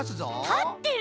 たってる！